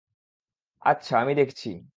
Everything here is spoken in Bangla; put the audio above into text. আচ্ছা - আমি দেখছি।